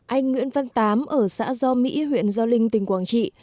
anh nguyễn văn tám ở xã do mỹ huyện do linh tỉnh quảng trị